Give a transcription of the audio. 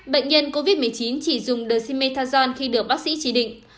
bệnh nhân covid một mươi chín chỉ dùng dexamethasone khi được bác sĩ chỉ định